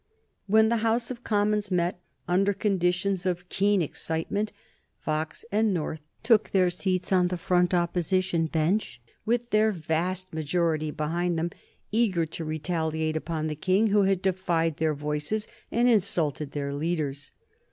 When the House of Commons met, under conditions of keen excitement, Fox and North took their seats on the Front Opposition Bench with their vast majority behind them eager to retaliate upon the King, who had defied their voices and insulted their leaders.